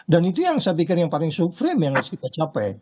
dan itu yang saya pikir yang paling supreme yang harus kita capai